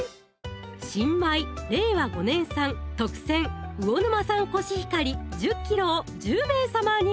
「新米令和５年産特選魚沼産こしひかり１０ｋｇ」を１０名様に！